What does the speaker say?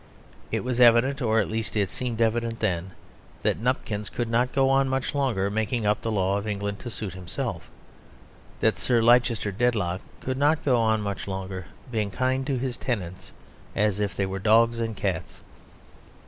It was evident, or at least it seemed evident then, that Nupkins could not go on much longer making up the law of England to suit himself; that Sir Leicester Dedlock could not go on much longer being kind to his tenants as if they were dogs and cats.